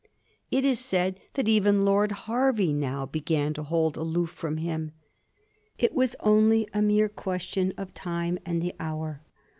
It is said that even Lord Hervey now began to hold aloof from him. It was only a mere question of time and the hour.